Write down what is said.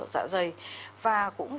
dạ dày và cũng